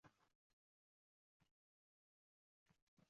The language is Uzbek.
Qiz bola bo‘lar-bo‘lmas pardoz- andozlar bilan o‘ziga oro bermasin.